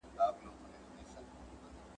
جوړه کړې په قلا کي یې غوغاوه ,